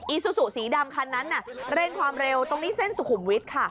ซูซูสีดำคันนั้นเร่งความเร็วตรงนี้เส้นสุขุมวิทย์ค่ะ